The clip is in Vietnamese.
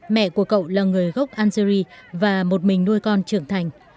mẹ của cậu là người gốc algeria và một mình nuôi con trưởng thành